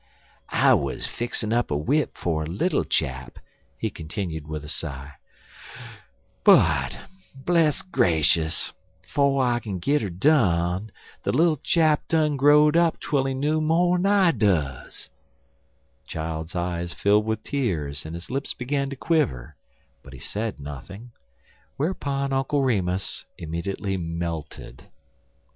"I wuz fixin' up a w'ip fer a little chap," he continued, with a sigh, "but, bless grashus! 'fo' I kin git 'er done de little chap done grow'd up twel he know mo'n I duz." The child's eyes filled with tears and his lips began to quiver, but he said nothing; whereupon Uncle Remus immediately melted.